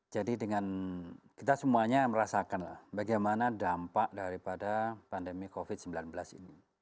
jadi dengan kita semuanya merasakan bagaimana dampak daripada pandemi covid sembilan belas ini